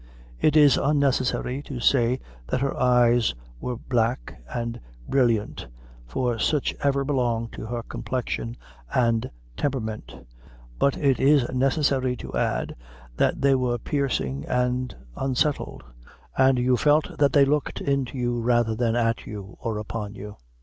It is unnecessary to say that her eyes we're black and brilliant, for such ever belong to her complexion and temperament; but it in necessary to add, that they were piercing and unsettled, and you felt that they looked into you rather than at you or upon you.